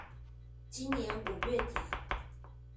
今年五月底